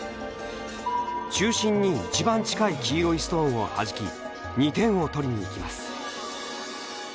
中心に一番近い黄色いストーンをはじき２点を取りに行きます。